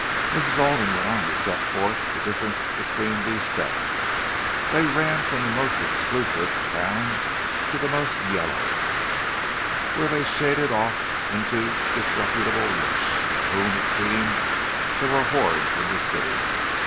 And Mrs. Alden went on to set forth the difference between these "sets"; they ran from the most exclusive down to the most "yellow," where they shaded off into the disreputable rich—of whom, it seemed, there were hordes in the city.